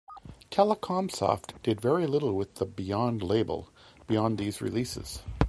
Telecomsoft did very little with the Beyond label beyond these releases.